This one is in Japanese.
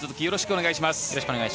よろしくお願いします。